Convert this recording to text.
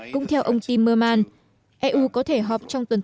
cũng theo ông timmerman eu có thể họp trong tuần